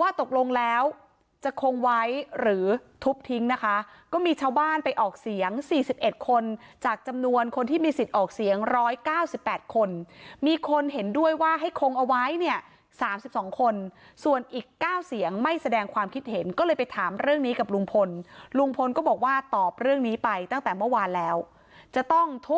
ว่าตกลงแล้วจะคงไว้หรือทุบทิ้งนะคะก็มีชาวบ้านไปออกเสียง๔๑คนจากจำนวนคนที่มีสิทธิ์ออกเสียง๑๙๘คนมีคนเห็นด้วยว่าให้คงเอาไว้เนี่ย๓๒คนส่วนอีก๙เสียงไม่แสดงความคิดเห็นก็เลยไปถามเรื่องนี้กับลุงพลลุงพลก็บอกว่าตอบเรื่องนี้ไปตั้งแต่เมื่อวานแล้วจะต้องทุบ